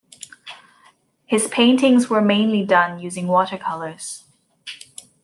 His paintings were mainly done using watercolours.